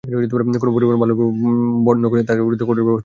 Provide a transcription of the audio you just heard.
কোনো পরিবার বাল্যবিবাহ করাতে চাইলে তাদের বিরুদ্ধে কঠোর ব্যবস্থা নেওয়া হবে।